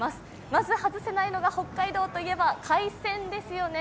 まず外せないのが、北海道といえば海鮮ですよね。